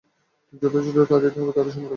যথোচিত তা দিতে হবে, তাতে সময় লাগে।